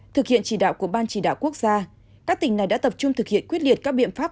thực hiện chỉ đạo của ban chỉ đạo quốc gia các tỉnh này đã tập trung thực hiện quyết liệt các biện pháp